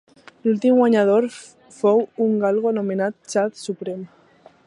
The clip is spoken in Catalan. L'últim guanyador fou un galgo anomenat Chad Supreme.